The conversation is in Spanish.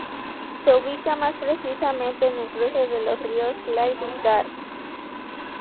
Se ubica más precisamente en el cruce de los ríos Clyde y Cart.